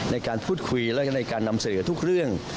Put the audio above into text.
ในการพูดคุยและในการนำเสนอทุกเรื่อง